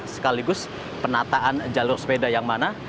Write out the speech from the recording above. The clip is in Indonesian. sekaligus penataan jalur sepeda yang mana